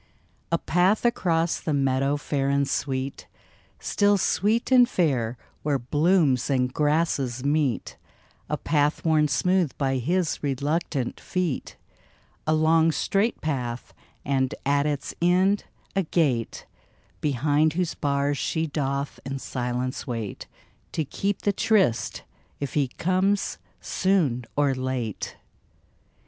A path across the meadow fair and sweet, Still sweet and fair where blooms and grasses meet A path worn smooth by his reluctant feet. A long, straight path — and, at its end, a gate Behind whose bars she doth in silence wait To keep the tryst, if he comes soon or late